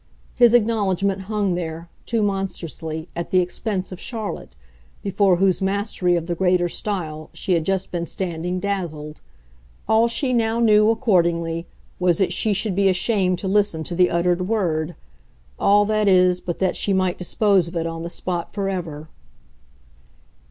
His acknowledgment hung there, too monstrously, at the expense of Charlotte, before whose mastery of the greater style she had just been standing dazzled. All she now knew, accordingly, was that she should be ashamed to listen to the uttered word; all, that is, but that she might dispose of it on the spot forever.